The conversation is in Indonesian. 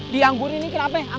diangguri nih kenapa